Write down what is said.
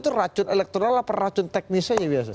itu racun elektoral apa racun teknisnya ya biasa